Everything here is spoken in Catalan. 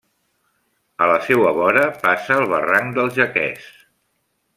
A la seua vora passa el barranc del Jaqués.